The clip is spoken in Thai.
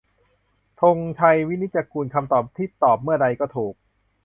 ธงชัย วินิจจะกูล : คำตอบที่ตอบเมื่อใดก็ถูก